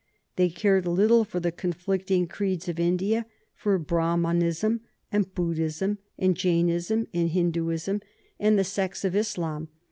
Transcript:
They cared little for the conflicting creeds of India, for Brahmanism and Buddhism and Jainism and Hinduism and the sects of Islam.